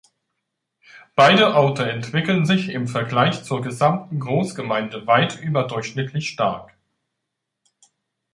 Beide Orte entwickeln sich im Vergleich zur gesamten Großgemeinde weit überdurchschnittlich stark.